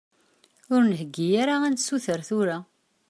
Ur nheggi ara ad nessuter tura.